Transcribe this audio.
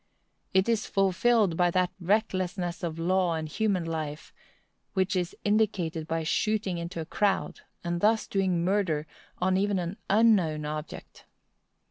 It is fulfilled by that recklessness of law and human life which is indicated by shooting into a crowd, and thus doing murder on even an unknown object.